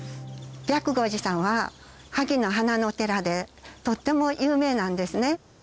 白毫寺さんは萩の花のお寺でとっても有名なんですね。